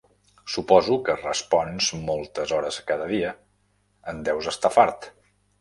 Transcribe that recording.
Suposo que respons moltes hores cada dia, en deus estar fart.